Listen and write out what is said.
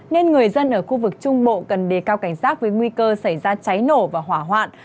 nên người dân ở khu vực trung bộ cần đề cao cảnh giác với nguy cơ xảy ra cháy nổ và hỏa hoạn